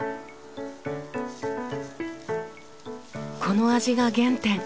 この味が原点。